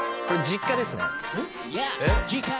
これ実家ですね。